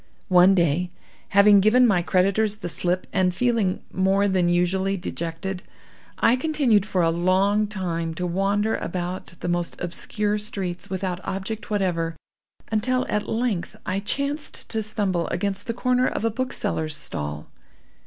"One day, having given my creditors the slip, and feeling more than usually dejected, I continued for a long time to wander about the most obscure streets without object whatever, until at length I chanced to stumble against the corner of a bookseller's stall.